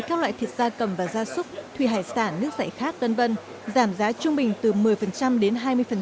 các loại thịt da cầm và gia súc thủy hải sản nước dạy khác v v giảm giá trung bình từ một mươi đến hai mươi